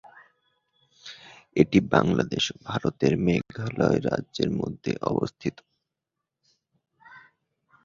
এটি বাংলাদেশ এবং ভারতের মেঘালয় রাজ্যের মধ্যে অবস্থিত।